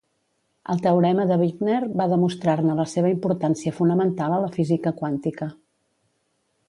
El teorema de Wigner va demostra-ne la seva importància fonamental a la física quàntica.